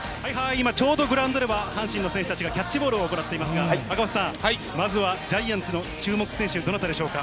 今ちょうどグラウンドでは阪神の選手たちがキャッチボールを行っていますが、赤星さん、まずはジャイアンツの注目選手、どなたでしょうか。